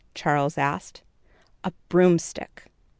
Charles asked. "A broomstick."